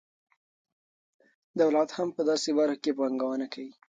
دولت هم په داسې برخو کې پانګونه کوي.